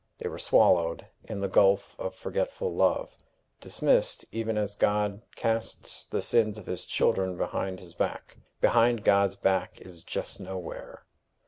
They were swallowed in the gulf of forgetful love dismissed even as God casts the sins of his children behind his back: behind God's back is just nowhere.